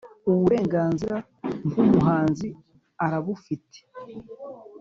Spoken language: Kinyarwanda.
Uburenganzira nk ‘umuhanzi arabufite.